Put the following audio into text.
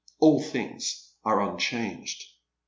All things are unchanged.